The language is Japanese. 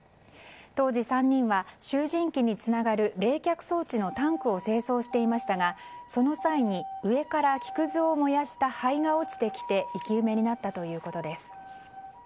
当時３人は集じん機につながる冷却装置のタンクを清掃していましたがその際に上から木くずを燃やした灰が落ちてきて生き埋めになったということです。